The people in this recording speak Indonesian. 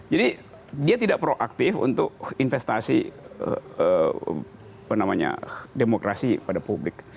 jadi dia tidak proaktif untuk investasi demokrasi pada publik